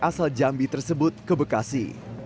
asal jambi tersebut ke bekasi